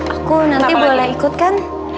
aku nanti boleh ikut kan